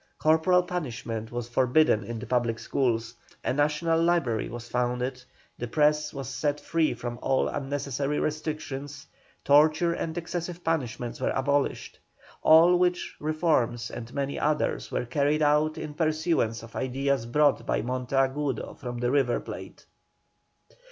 Corporal punishment was forbidden in the public schools; a national library was founded; the press was set free from all unnecessary restrictions; torture and excessive punishments were abolished. All which reforms and many others were carried out in pursuance of ideas brought by Monteagudo from the River Plate.